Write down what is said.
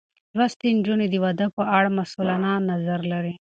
لوستې نجونې د واده په اړه مسؤلانه نظر لري.